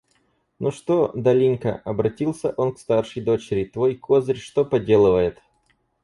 Ну что, Долинька, — обратился он к старшей дочери, — твой козырь что поделывает?